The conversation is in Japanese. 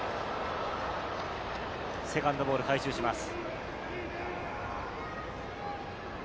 セカンドボールを回収します。